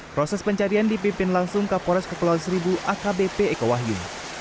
proses pencarian dipimpin langsung kapolres kepulauan seribu akbp eko wahyu